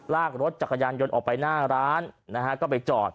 ลากรถจักรยานยนต์ออกไปหน้าร้านนะฮะก็ไปจอด